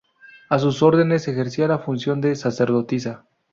A sus órdenes, ejercía la función de sacerdotisa.